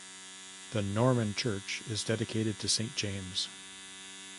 The Norman church is dedicated to Saint James.